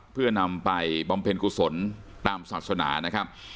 เพื่อนำไปบำเพ็ญกุศลตามศาสนานะครับ